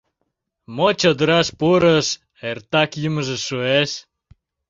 Мо чодыраш пурыш — эртак йӱмыжӧ шуэш.